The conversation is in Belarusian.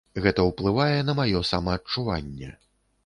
Гэта ўплывае на маё самаадчуванне.